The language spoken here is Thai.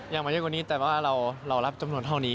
อยากมาเยอะกว่านี้แต่ว่าเรารับจำนวนเท่านี้